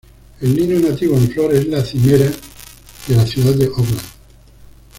El lino nativo en flor es la "cimera" de la ciudad de Auckland.